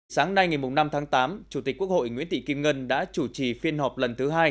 sáng nay ngày năm tháng tám chủ tịch quốc hội nguyễn thị kim ngân đã chủ trì phiên họp lần thứ hai